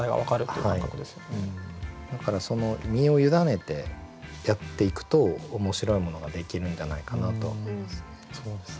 だから身を委ねてやっていくと面白いものができるんじゃないかなと思いますね。